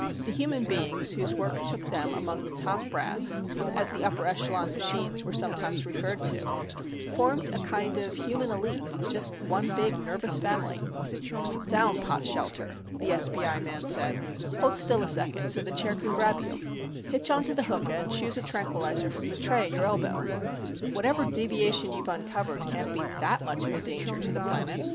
The human beings whose work took them among the Top Brass, as the upper echelon machines were sometimes referred to, formed a kind of human elite, just one big nervous family. "Sit down, Potshelter," the SBI Man said. "Hold still a second so the chair can grab you. Hitch onto the hookah and choose a tranquilizer from the tray at your elbow. Whatever deviation you've uncovered can't be that much of a danger to the planets.